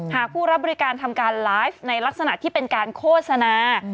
หากผู้รับบริการทำการไลฟ์ในลักษณะที่เป็นการโฆษณา